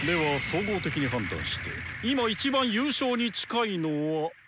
総合的に判断して今一番優勝に近いのは。